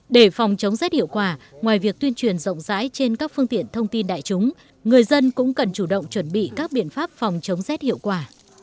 để phòng chống rét hiệu quả ngoài việc tuyên truyền rộng rãi trên các phương tiện thông tin đại chúng người dân cũng cần chủ động chuẩn bị các biện pháp phòng chống rét hiệu quả